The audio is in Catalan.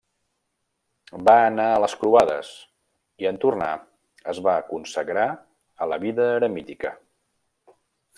Va anar a les croades i, en tornar, es va consagrar a la vida eremítica.